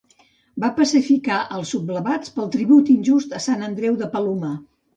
Va pacificar als sublevats pel tribut injust a Sant Andreu de Palomar.